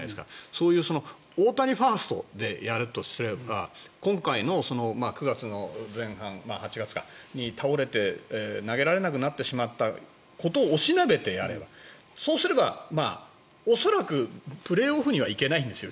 そういう大谷ファーストでやるとすれば今回の９月の前半に倒れて８月か投げられなくなってしまったことを押しなべてやればそうすれば、恐らくプレーオフには行けないんですよ